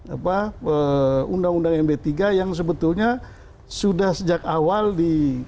apa undang undang md tiga yang sebetulnya sudah sejak awal di